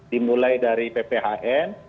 dimulai dari pphn